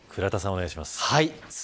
お願いします。